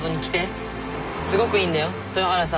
すごくいいんだよ豊原さんのピアノ。